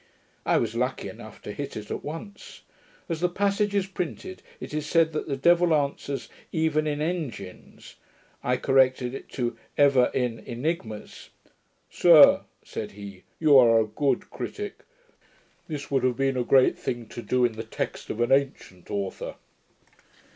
I was lucky enough to hit it at once. As the passage is printed, it is said that the devil answers EVEN in ENGINES. I corrected it to EVER in AENIGMAS. 'Sir,' said he, 'you are a good critick. This would have been a great thing to do in the text of an ancient authour.'